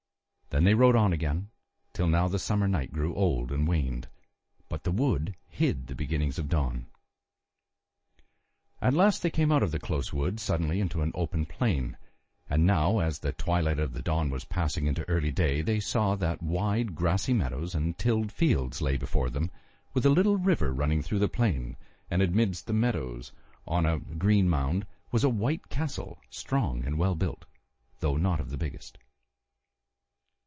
Then they rode on again, till now the summer night grew old and waned, but the wood hid the beginnings of dawn. At last they came out of the close wood suddenly into an open plain, and now, as the twilight of the dawn was passing into early day, they saw that wide grassy meadows and tilled fields lay before them, with a little river running through the plain; and amidst the meadows, on a green mound, was a white castle, strong, and well built, though not of the biggest.